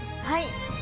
はい！